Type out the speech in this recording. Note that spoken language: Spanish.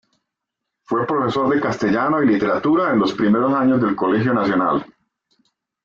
Fue profesor de Castellano y Literatura en los primeros años del Colegio Nacional.